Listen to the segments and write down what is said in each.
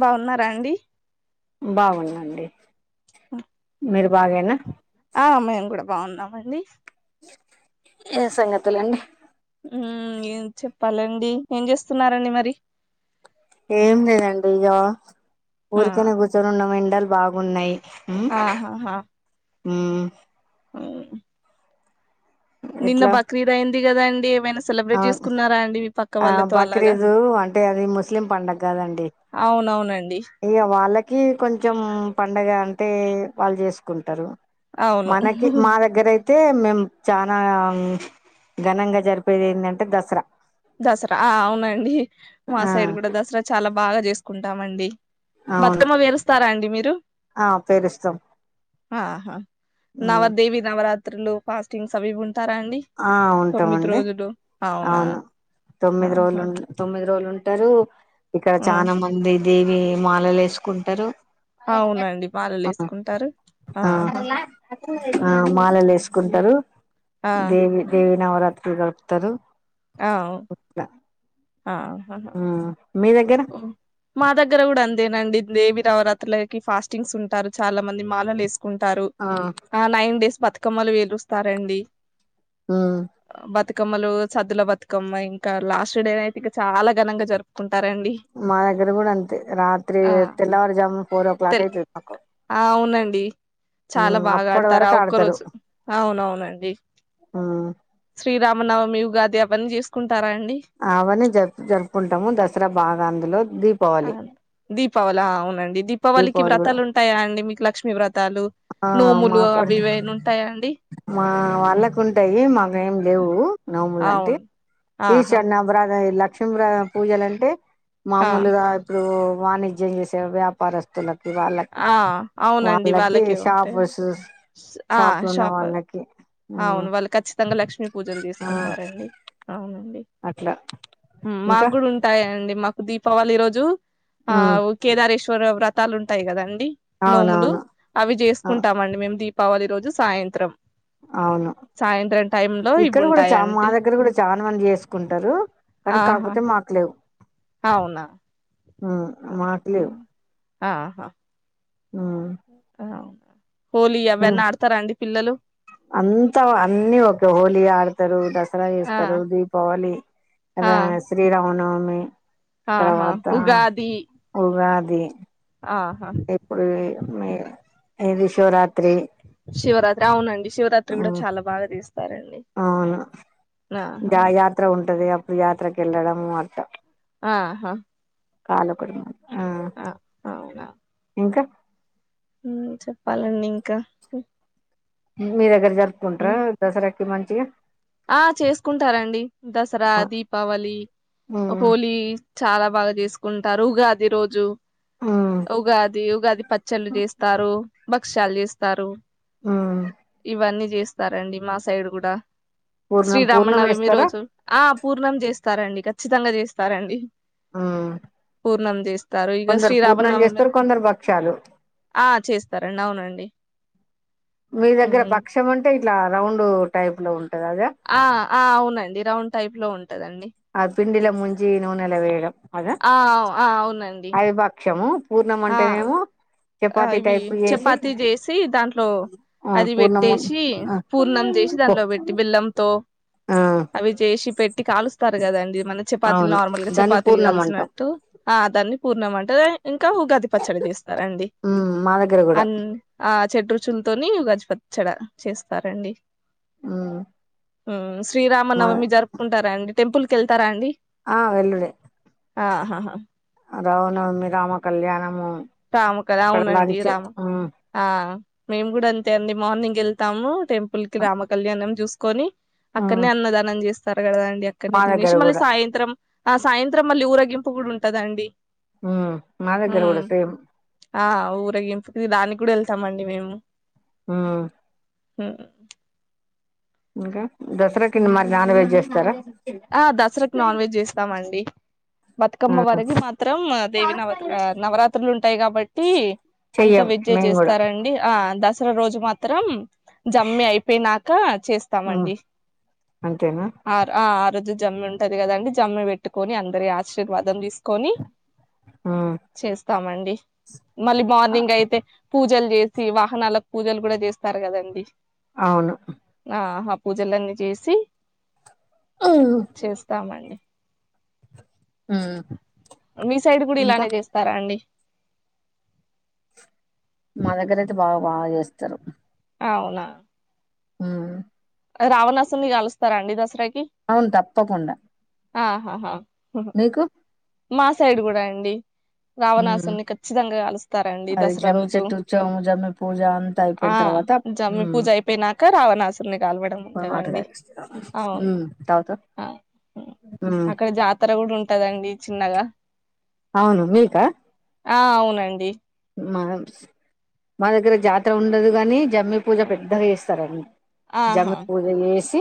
బాగున్నారా అండి బాగున్న అండి ఆ మీరు బాగేనా ఆ మేము కూడా బాగున్నామండి ఏ సంగతులండి మ్ చెప్పాలండి ఏం చేస్తున్నారండి మరి ఏం లేదండి ఇగ ఆ ఊరికనా కూర్చొనున్నం ఎండాలు బాగున్నాయి ఆహాహా మ్ హ్మ్. నిన్న ఎట్లా బక్రీద్ అయింది కదా అండి ఏమైనా ఆ సెలబ్రేట్ చేసుకున్నారా అండి మీ పక్క ఆ వాళ్ళతో అలాగా బక్రీదు అంటే అది ముస్లిం పండగ కాదండి అవునవునండి ఇగ వాళ్ళకి కొంచెం పండగ అంటే వాళ్ళు చేసుకుంటారు అవును మనకి మా దగ్గర అయి తే మేము చనా ఘనంగా జరిపేది ఏందంటే దసరా దసరా అ అవునండి మా ఆ సైడ్ కూడా దసరా చాలా బాగా చేసుకుంటామండి అవును బతుకమ్మ పెరుస్తారా అండి మీరు ఆ పేరుస్తాం ఆహా నవదేవి నవరాత్రులు ఫాస్టింగ్స్వి అవి ఇవి ఉం స్తారా అండి ఆ తొమ్మిది ఉంటామండి రోజులు అవునా అవును తొమ్మిది రోజులు ఆహా ఉం తొమ్మిది రోజులు ఉంటారు ఇక్కడ ఆ! చాలా మంది దేవి మాలలేసుకుంటారు అవునండి అ మాలలేసుకుంటారు. అ ఆహాహా! మాలలేస్ కుంటారు ఆ! దేవి దేవి నవరాత్రి గడుపుతారు ఆ ఇట్లా అ అహ మీ దగ్గర మ్ మా దగ్గర కూడా అంతేనండి దేవి నవరాత్రులకి ఫాస్టింగ్స్ ఉంటారు చాలా మంది మాలలేస్ కుంటారు ఆ ఆ నైన్ డేస్ బతుకమ్మలు పెరుస్తారండి మ్ బతుకమ్మలు సద్దుల బతుకమ్మ ఇంకా లాస్ట్ డే అయితే ఇగ చాలా ఘనంగా జరుపుకుంటారండి మా దగ్గర కూడా అంతే రాత్రి ఆ! తెల్లవారుజాము ఫోర్ ఓ క్లాక్ అయితది మాకు ఆ అవునండి చాలా బాగా అప్పటి ఆడతారుా వరకు ఆ ఒక్క ఆడతారు రోజు అవునవునండి శ్రీరామ్ నవమి ఉగాది అవన్ని చేసుకుం ఆవని జ జరుపుకుంటాము దసరా బాగా అందులో దీపావళి దీపావళి అవునండి దీపావళికి దీపావళి కూడా వ్రతాలు ఉంటాయా అండి మీకు లక్ష్మీ వ్ర ఆ మా కొడుకు ఉంటాయా అండి మా వాళ్ళకు ఉంటాయి మాకేం లేవు నోములంటే అవును ఈ ఆహా చన్న బ్రదా ఇలా లక్ష్మీరా పూజలు అంటే ఆ మామూలుగా ఇప్పుడు వాణిజ్యం చేసే వ్యాపారస్తుల ఆ అవునండి వాళ్ళకే ఉంటయ్ షాపర్స్ ఆ షాపులు ఉన్న షాపర్ వాళ్ళకి మ్మ్ అవును వాళ్ళు ఖచ్చితంగా లక్ష్మీ పూజలు ఆ చేసుకుంటారండి అవును అట్లా ఇంకా మాకు కూడ ఉంటాయండి మాకు దీపావళి రోజు ఆ మ్మ్ కేదారేశ్వర వ్రతాలు ఉంటాయి కదాం డి నోములు అవునవును అవి అ చేసుకుంటామండి మేము దీపావళి రోజు సాయంత్రం అవును సాయంత్రం టైమ్ లో ఇవి ఇక్కడ కూడా చ మా ఉంటాయండి దగ్గర కూడా చాలా మంది చేసుకుంటారు కానీ ఆహా కాకపోతే మాకు లేవు అవునా మ్మ్ మాకు లేవు అహ మ్మ్ ఉ అంతా అన్ని ఓకే హోలీ ఆడు స్తారు దసరా ఆ చేస్తారు దీపావళి ఆ శ్రీరామనవమి ఆహా తర్వాత ఉగాది ఉగాది ఆహా ఇప్పుడు మి ఏది శివరాత్రి శివరాత్రి అవునండి శివరాత్రి కూడా చాలా బాగా తీస్ అవును గా ఆహా యాత్ర ఉంటది అప్పుడు యాత్రకు వెళ్ళడము అట్ట ఆహా కాలకుడుమ ఆ అవునా ఇంకా చెప్పాలండి ఇంక మీ దగ్గర జరుపుకుంట్ర దసరాకి మంచిగా ఆ చేసుకుంటారండి దసరా దీపావళి ఉమ్ హోలీ చాలా బాగా చేసుకుంటారు ఉగాది రోజు ఉమ్ ఉగాది ఉగాది పచ్చళ్ళు చేస్తారు భక్ష్యాలు చేస్తారు ఉమ్ ఇవన్నీ చేస్తారండి మా సైడ్ కూడా పూర్ణం పూర్ణం శ్రీరామనవమి వేస్తారా రోజు ఆ పూర్ణం చేస్తారండి ఖచ్చితంగా చేస్తారండి ఉమ్ పూర్ణం చేస్ స్తారు ఇగ కొందరు పూర్ణం శ్రీరామనవమి రో చేస్తారు కొందరు భక్షాలు ఆ చేస్తారండి అవునండి మీ దగ్గర హ్మ్. భక్ష్యం అంటే ఇట్లా రౌండ్ టైప్ లో ఉం ఆ ఆ అవునండి రౌండ్ టైప్ లో ఉం ఆ పిండలో ముంచి నూనెల వేయడం అద ఆ ఆ అవునండి అవి భక్షము పూర్ణం ఆ అంటేనేమో ఆ ఇవి టైప్ చేసి చపాతి చేసి దాంట్లో ఆ అది పూర్ణము పెట్టేసి ఆ పూర్ణం చేసి ఓ దాంట్లో బెట్టి బెల్లం తో ఆ అవి చేసి పెట్టి కాలుస్తారు కదండి మన చపాతీలు అవును నార్మల్ గా దాన్ని చపాతీలు పూర్ణం అంటాం కలిసినట్టు ఆ దాన్ని పూర్ణమంట ఇంకా ఉగాది పచ్చడి చేస్తార ఉ మా దగ్గర కూడా ఆ చెడ్ రుచులతోని ఉగాది పచ్చడ చేస్తారండి ఉ శ్రీరామ నవమి జరుపుకుంటారా అండి టెంపుల్ కెళ్తారా అండి ఆ వెలుడే ఆహా హ రామనవమి రామ కళ్యాణము రాము కద ఇక్కడ అవునండి లంచ్ రామ ఉమ్ ఆ మేము కూడా అంతే అండి మార్నింగ్ వెళ్తాము టెంపుల్ కి రామ కళ్యాణం చూసుకొని ఉమ్ అక్కడనే అన్నదానం చేస్తారు కదండి మా అక్కడనే దగ్గర తినేసి మళ్ళీ కూడా సాయంత్రం ఆ సాయంత్రం మళ్ళీ ఊరగింపు కూడా ఉంటదండి ఉ మాదగర మ్మ్ కూడా సేమ్ ఆ ఊరగింపుకి దానికి కూడా వెళ్తామండి మేము ఆ ఆ ఇంకా దసరాకి మరి నాన్ వెజ్ చేస్తారా ఆ దసరాకు నాన్ వెజ్ చేస్తామండి ఆ బతుకమ్మ వరకు మాత్రం దేవి నవత్ర నవరాత్రులు ఉంటాయి కాబట్టి అంత చెయ్యం వెజ్ఎ మేము కూడా చేస్తారండి ఆ ద చివరోజు మాత్రం జమ్మి అయిపోయినాక ఉమ్ చేస్తామండి అంతేనా ఆర్ ఆర్ రోజు జమ్మి ఉంటుది కదండి జమ్మి పెట్టుకుని అందరి ఆశీర్వాదం తీసు కొని ఉమ్ చేస్తామండి మళ్ళీ మార్నింగ్ అయితే పూజ పూజలు చేసి వాహనాలకు పూజలు కూడా చేస్తారు కదండి అవును ఆ ఆ పూజలన్నీ చేసి చేస్తామండి ఉమ్ మీ సైడ్ కూడా ఇంకా ఇలానే చేస్తారా అండి మా దగ్గర అయితే బాగా బాగా చేస్తారు అవునా హ్మ్ రావణాసుని కలుస్తారం అండి దసరా అవును తప్పకుండా ఆహాహా మీకు మా సైడ్ కూడా అండి ఉమ్ రావణాసుని ఖచ్చితంగా కలుస్తారండి అది దసరా జమ్మి రోజు చెట్టు చోము జమ్మి పూజ అంతా ఆ అయిపోయిన తర్వాత జమ్మి ఉమ్ పూజ అయిపోయినాక రావణాసుర్ని కాల్వడం పోయి వాటర్ ఉంటందండి తాగేస్తారు అవును ఉమ్ తాగుతాం ఆ ఉమ్ అక్కడ జాతర కూడా ఉంటదండి చిన్నగా అవును మీకా ఆ అవునండి మా మా దగ్గర జాతర ఉండదు కాని జమ్మి పూజ పెద్దగా చేస్తారండి ఆహా జమ్మి పూజ చేసి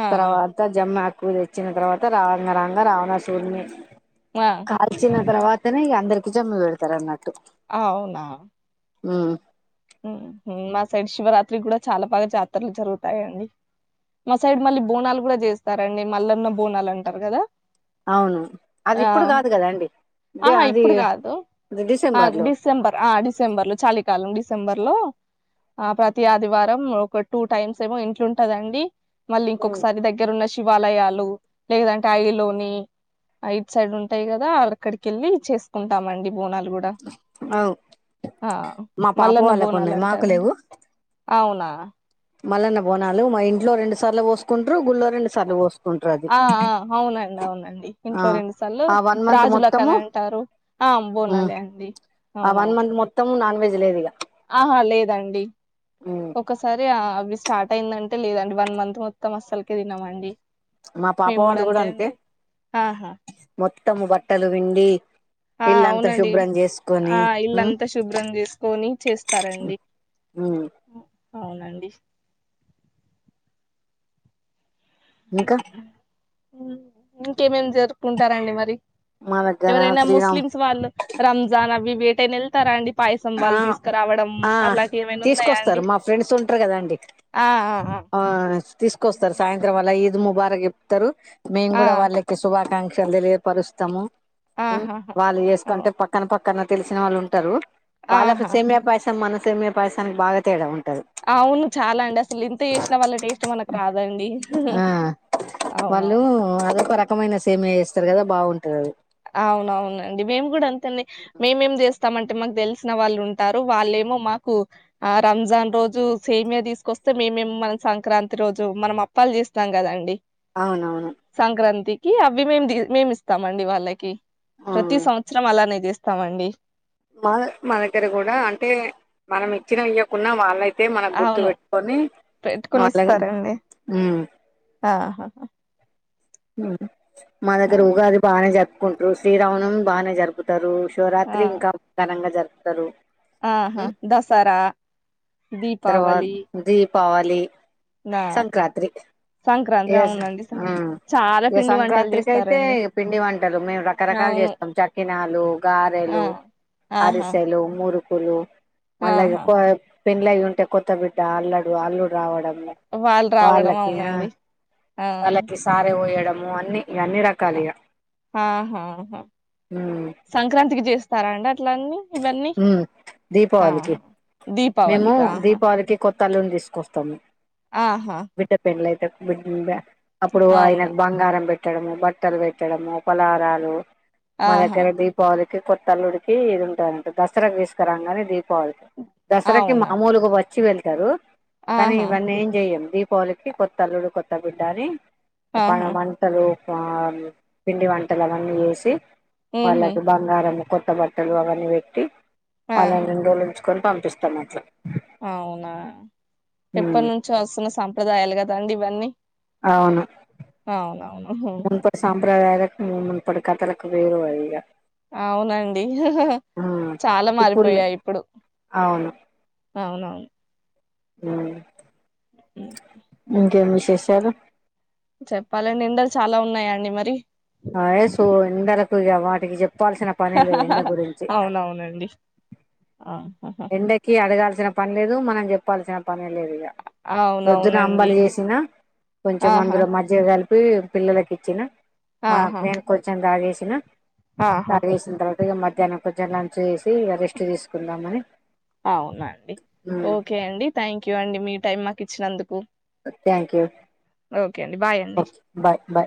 ఆ ఆ తర్వాత జమ్ కూ తెచ్చిన తర్వాత రాంగ రాంగ రావణాసుూడిని ఆ కాల్చిన తర్వాతనే ఇ అందరికి జమ్మి వెడతారు అన్నట్టు అవునా హ్మ్ మా సైడ్ శివరాత్రికి కూడా చాలా బాగా జాతరలు జరుగుతాయండి మా సైడ్ మళ్ళీ బోనాలు కూడా చేస్తారండి మల్లమా బోనాలు అంటారు కదా అవును అది ఆ ఇప్పుడు కాదు కదా అండి ఆహా ఇప్పుడు కాదు ఆ లో డిసెంబర్ ఆ డిసెంబర్ లో చలికాలం డి డిసెంబర్ లో ఆ ప్రతి ఆదివారం ఒక టూ టైమ్స్ ఏమో ఇంట్లుంటదండి. మళ్ళీ ఇంకొకసారి దగ్గరు ఉన్న శివాలయాలు లేదంటే అవిలోని ఐట్ సైడ్ ఉంటాయి కదా అళక్కడికెళ్ళి చేసుకుంటామండి. బోనాలు గూడ అవు ఆ మా పాప మల్లన్న వాళ్ళకు బోనాలు ఉన్నాయి మాకు అంటారండి అవునా మళ్లన్న బోనాలు మా ఇంట్లో రెండు సార్లు పోసుకుంటారు. గుళ్ళో రెండు సార్లు పోసు ఆ ఆ అవునండి అవునండి ఆ ఇంట్లో రెండు సార్లు ఆ వన్ మంత్ రాజుల మొత్తము కని అంటారు. ఆం ఉమ్ బోనాలే అండి ఆ వన్ అవునవును మంత్ మొత్తము నాన్ వెజ్ లేదు ఇగ ఆహా లేదండి ఉమ్ ఒకసారి ఆ ఇవి స్టార్ట్ అయిందంటే లేదండి. వన్ మంత్ మొత్తం అస్సలుకే తినమండి. మా పాప వాళ్ళు కూడా అంతే ఆహా మొత్తము బట్టలు విండి ఆ ఇల్ అంత అవునండి శుభ్రం చేస్ ఆ ఇల్లంతా శుభ్రం చేసుకొని చేస్తారండి. ఆ డిస్ ఇంకా ఇంకేమేం జరుపుకుంటారండి మరి? మా దగ్గర ఎవరైనా శ్రీరామ్ ముస్లిమ్స్ వాళ్ళు రంజాన్ అవివి ఏటైనా వెళ్తారా అండి? పాయసం ఆ వాళ్ళు తీసుకురావడం ఆ అట్లాంటివి ఏమైనా ఉన్నాయా తీసుకొస్తారు అండి మా ఫ్రెండ్స్ ఉంటారు కదాండి ఆ తీసుకొస్తారు సాయంత్రం అలా ఇ ద్ ముబారక చెప్తారు మేము ఆ! కూడా వాళ్ళకి శుభాకాంక్షలు తెలియపరుస్తాము. ఉ ఆహాహా వాళ్ళు ఆ! చేసుకుంటే పక్కన పక్కన తెలిసిన వాళ్ళు ఉంటారు. వాళ్లంతా ఆహా సేమ్యాపాయస త మన సేమ్యాపాయసనికి బాగా తేడా ఉం అవును చాలా అండి అసలు ఇంత చేసిన వాళ్ళ టేస్ట్ మనకు రాదండి హ్హ్ ఆ వాళ్ళు అదొక రకమైన సేమ్యా చేస్తారు కదా బావుంటది అది అవునవునండి మేము కూడా అంతేండి మేమేం చేస్తామం టే మాకు తెలిసిన వాళ్ళు ఉంటారు వాళ్ళేమో మాకు ఆ రంజాన్ రోజు సేమ్య తీసుకొస్తే మే మేము మనం సంక్రాంతి రోజు మనం అప్పాలు చేస్తాం కదండి. అవునవును కి అవి మేం మేము ఇస్తామండి వాళ్ళకి ఆ ప్రతి సంవత్సరం అలానే చేస్తామండి. మాద మా దగ్గర కూడా అంటే మనం ఇచ్చిన ఇయ్యకున్న వాళ్ళై తే మనకు గుర్తు అవును పెట్టుకొని పెట్టుకుని అళ్లగ ఇస్తారండి ఉమ్ ఆహా మా ఆ దగ్గర ఉగాది బానే జరుపుకుంటరు, శ్రీరామనవమి బానే జరుపుతారు. ఆ! శివరాత్రి ఇంకా ఘనంగా జరుపుతారు. ఆహా ఉమ్ దసరా తర్వాత దీపావళి దీపావళి, నా సంక్రాంత్రి సంక్రాంతి ఎస్ అవునండి స ఆ చాలా ఈ పిండి వంటలు సంక్రాంత్రికి అయితే చేస్తారండి పిండి వంటలు మేము రకరకాల నే అవును చేస్తాం చక్కినాలు, ఆ గారెలు, ఆహా అరిసెలు, మురు కులు మళ్ళ ఇగ ఆహా కోయం పెళ్ళై ఉంటే కొత్త బిడ్డ అల్లడు అల్లుడు రావడం వాళ్ళు రావడం వాళ్ళకి ఆ అవునండి. ఆ వాళ్ళకి సారే పోయడం మ అన్ని ఇ అన్ని రకాలు ఇగా ఆహాహా సంక్రాంతికి చేస్తారా అండి అ ట్లన్ని ఇవన్నీ ఉమ్ అహ దీపావళికి దీపావలీ క అహా తల్లుని తీసుకొస్తాము ఆహా బిడ్డ పెండ్లయితే అప్పుడు అవునా ఆయనకు బంగారం పెట్టడము బట్టలు పెట్టడము పలారాలు మ ఆహా దగ్గర దీపావలి లీ కొత్త అల్లుడికి ఇది ఉంటదంట దసరాకి తిసుకరాము కని దీపావళికి దసరాకి అవునా మామూలుగా వచ్చి వెళ్తారు కానీ ఆహా ఇవన్నీ ఏం చెయము దీపావళకి కొత్త అల్లుడు కొత్త బిడ్డ అని పన ఆహా మంటలు పిండి వంటలు అవన్నీ చేసి ఉహు వాళ్ళకి బంగారం కొ త్త బట్టలు అవన్నీ పెట్టి వాళ్ళని ఆహా రెండు రోజులు ఉంచుకొని పంపిస్తామట్ల అవునా ఎప్పటి ఉమ్ నుంచో వస్తున్న సంప్రదాయాలు కదండి ఇవన్నీ అవును అవునవును ఉహు మున్పపటి సాంప్రదాాలకు మున్పపటి కథలకు వేరు వగు ఇగ అవునండి ఆ చాలా ఇప్పుడులే మారిపోయాయి ఇప్పుడు అవునవును మ్ ఇంకేం విశేషాలు చెప్పాలండి ఎండలు చాలా ఉన్నాయ అండి మరి అయే సు ఎండలకు ఇగ వాటికీ చెప్ ప్పాల్సిన పనే లేదు ఎండ గురించి అవునవునండి ఆహా ఎండకి అడగాల్సిన పనిలేదు మనం చెప్పాల్సిన పనే లేదు ఇగ పోద్దున అవునవునండి అంబలీ చేసినా కొంచెం ఆహా అందులో మజ్జిగ కలిపి పి పిల్లలలకు ఇచ్చిన మా ఆహా నేను కొంచెం తాగేసిన ఆహా సాగేసిన తర్వాత ఇగ మధ్యాహ్నం కొంచెం లంచ్ చేసి ఇగ రెస్ట్ తీసుకుందామని అవునా అండి ఉమ్ ఓకే అండి థ్యాంక్ యూ అండి మీ టైమ్ మాకు ఇచ్చినందుకు థ్యాంక్ యూ ఓకే అండి బాయ్ అండి ఓకే బాయ్ బాయ్